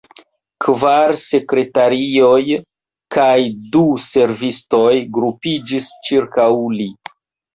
Kvar sekretarioj kaj du servistoj grupiĝis ĉirkaŭ li.